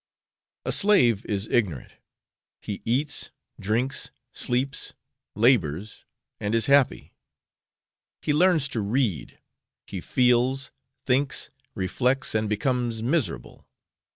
A slave is ignorant; he eats, drinks, sleeps, labours, and is happy. He learns to read; he feels, thinks, reflects, and becomes miserable.